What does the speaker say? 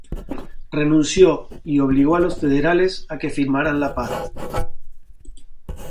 Renunció y obligó a los federales a que firmaran la paz.